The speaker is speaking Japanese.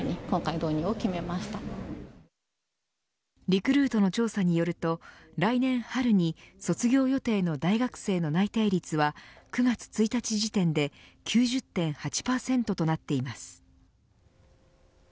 リクルートの調査によると来年春に卒業予定の大学生の内定率は９月１日時点で９０．８％となっています。